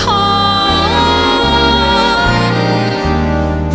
รักทั้งหมุนทั้งหมุน